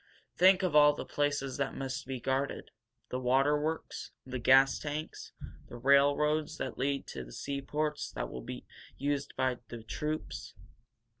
"Think of all the places that must be guarded. The waterworks, the gas tanks, the railroads that lead to the seaports and that will be used by the troops."